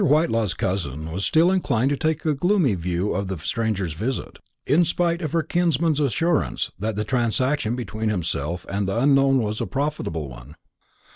Whitelaw's cousin was still inclined to take a gloomy view of the stranger's visit, in spite of her kinsman's assurance that the transaction between himself and the unknown was a profitable one.